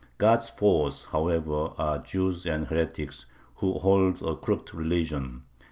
God's foes, however, are Jews and heretics, "who hold a crooked religion."